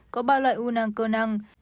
có ba loại u nang cơ nang